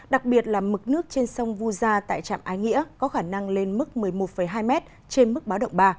đặc biệt là mực nước trên sông vu gia tại trạm ái nghĩa có khả năng lên mức một mươi một hai m trên mức báo động ba